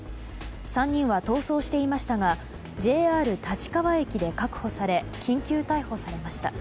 ３人は逃走していましたがＪＲ立川駅で確保され緊急逮捕されました。